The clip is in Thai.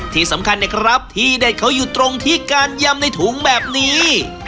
ที่สำคัญนะครับที่เด็ดเขาอยู่ตรงที่การยำในถุงแบบนี้